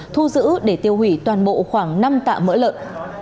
thu giữ để tiêu hủy toàn bộ khoảng năm tạ mỡ lợn